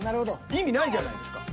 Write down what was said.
意味ないじゃないですか。